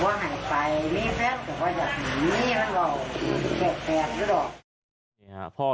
ว่าให้ไปมีแฟนแต่ว่าอยากให้มีแล้วเราเกลียดแกล้งด้วยหรอก